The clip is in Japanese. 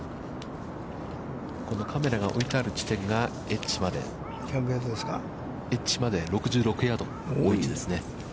このカメラが置いてある地点が、エッジまで６６ヤード。